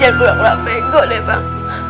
jangan berang berang pegang deh bang